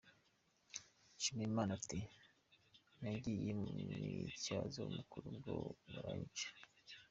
Nshimiyimana ati "Nagiye mu myitozo ya Mukura ubwoba buranyica.